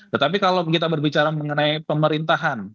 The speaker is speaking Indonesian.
tetapi kalau kita berbicara mengenai pemerintahan